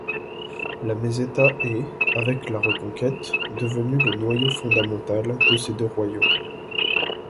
La Meseta est, avec la Reconquête, devenue le noyau fondamental de ces deux royaumes.